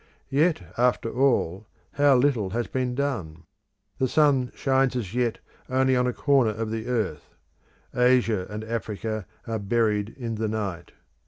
Yet after all, how little has been done! The sun shines as yet only on a corner of the earth: Asia and Africa are buried in the night.